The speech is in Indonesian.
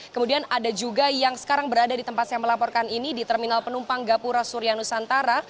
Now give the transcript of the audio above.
kemudian ada juga yang sekarang berada di tempat saya melaporkan ini di terminal penumpang gapura surya nusantara